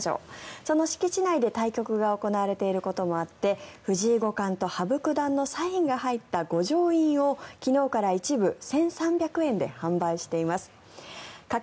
その敷地内で対局が行われていることもあって藤井五冠と羽生九段のサインが入った御城印を昨日から１部１３００円で販売しています。